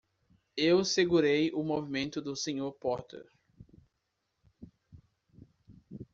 Eu segurei o movimento do Sr. Potter.